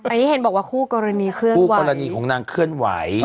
อันนี้เห็นบอกว่าคู่กรณีเคลื่อนคู่กรณีของนางเคลื่อนไหว